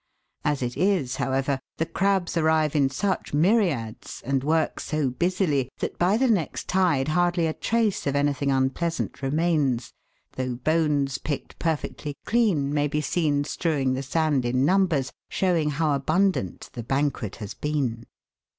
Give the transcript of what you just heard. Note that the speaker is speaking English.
As it is, however, the crabs arrive in such myriads and work so busily that by the next tide hardly a trace of anything unpleasant remains, though bones picked perfectly clean may be seen strewing the sand in numbers, showing how abundant the banquet has been.